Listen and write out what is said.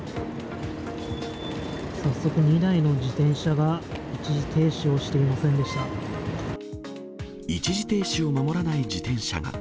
早速、２台の自転車が一時停一時停止を守らない自転車が。